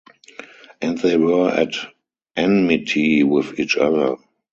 And they were at enmity with each other.